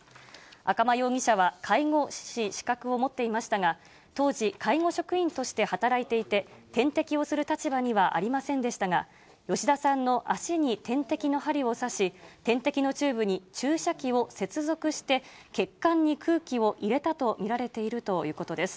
赤間容疑者は介護士資格を持っていましたが、当時、介護職員として働いていて、点滴をする立場にはありませんでしたが、吉田さんの足に点滴の針を刺し、点滴のチューブに注射器を接続して、血管に空気を入れたと見られているということです。